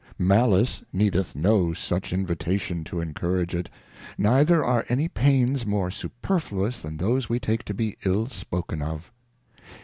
Malice needeth no such Invitation to en courage it, neither are any Pains more superfluous than those we take to be ill spoken of.